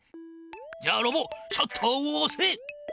じゃあロボシャッターをおせ！